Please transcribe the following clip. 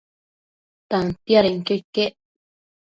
Tantiadenquio iquec